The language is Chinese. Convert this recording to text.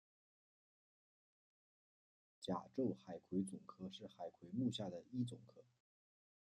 甲胄海葵总科是海葵目下的一总科。